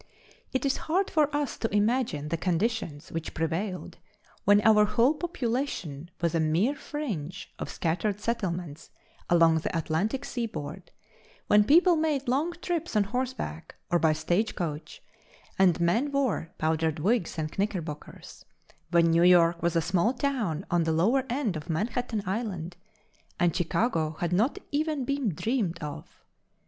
It is hard for us to imagine the conditions which prevailed when our whole population was a mere fringe of scattered settlements along the Atlantic seaboard; when people made long trips on horseback or by stage coach and men wore powdered wigs and knickerbockers; when New York was a small town on the lower end of Manhattan Island, and Chicago had not even been dreamed of.